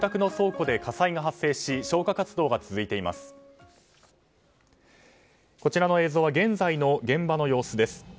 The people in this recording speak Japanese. こちらの映像は現在の現場の様子です。